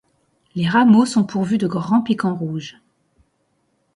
Les rameaux sont pourvus de grands piquants rouges.